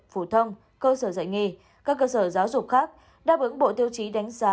phổ thông cơ sở dạy nghề các cơ sở giáo dục khác đáp ứng bộ tiêu chí đánh giá